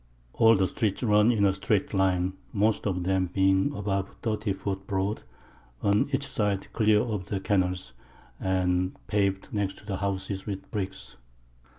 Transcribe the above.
All the Streets run in a streight Line, most of them being above 30 Foot broad, on each side clear of the Canals, and pav'd next the Houses with Bricks.